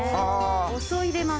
お酢を入れます。